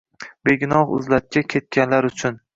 Begunoh uzlatga ketganlar uchun